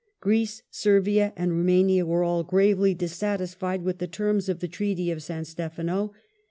Greece, Servia, and Roumania were all gravely dissatisfied with the terms of the Treaty of San Stefano.